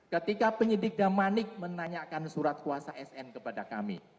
ketika penyidik damanik menanyakan surat kuasa sn kepada kami